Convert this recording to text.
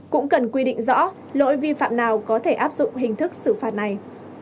cũng cần quy định rõ lỗi vi phạm nào có thể áp dụng hình thức xử phạt này